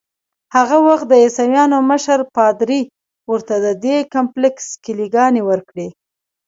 هغه وخت د عیسویانو مشر پادري ورته ددې کمپلیکس کیلې ګانې ورکړې.